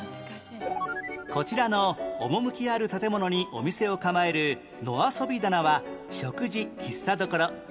こちらの趣ある建物にお店を構える野あそび棚は食事喫茶処